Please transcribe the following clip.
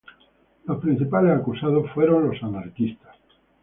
Los principales acusados fueron los anarquistas.